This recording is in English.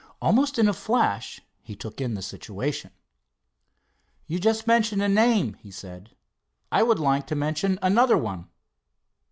Almost in a flash he took in the situation. "You just mentioned a name," he said. "I would like to mention another one."